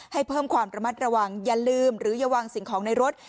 ให้เพิ่มความระมัดระวังอย่าลืมหรืออย่าวางสิ่งของในรถ